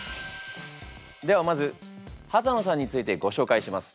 ではまず幡野さんについてご紹介します。